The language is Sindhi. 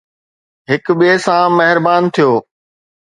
هڪ ٻئي سان مهربان ٿيو